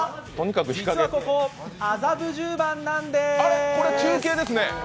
実はここ麻布十番なんです！